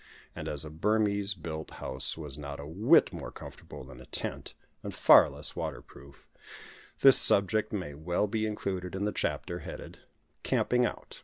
And as a Burmese built house was not a whit more comfortable than a tent, and far less waterproof, this subject may well be included in the chapter headed "Camping Out."